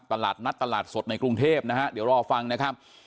ตลาดนัดตลาดสดในกรุงเทพนะฮะเดี๋ยวรอฟังนะครับ